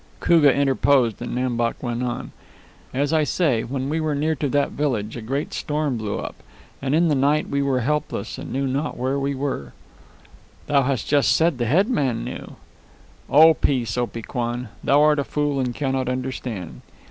Koogah interposed, and Nam Bok went on. "As I say, when we were near to that village a great storm blew up, and in the night we were helpless and knew not where we were " "Thou hast just said the head man knew " "Oh, peace, Opee Kwan. Thou art a fool and cannot understand.